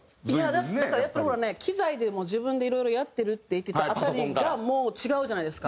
だからやっぱり機材でもう「自分でいろいろやってる」って言ってた辺りがもう違うじゃないですか。